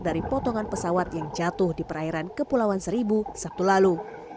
dari potongan pesawat yang jatuh di perairan kepulauan seribu sabtu lalu